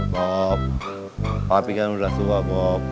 bob papi kan udah tua bob